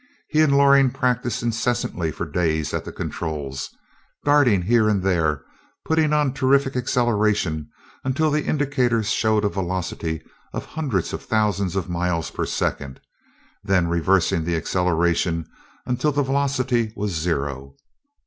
He and Loring practiced incessantly for days at the controls, darting here and there, putting on terrific acceleration until the indicators showed a velocity of hundreds of thousand of miles per second, then reversing the acceleration until the velocity was zero.